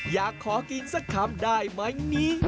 อยากขอกินสักคำได้ไหมนี้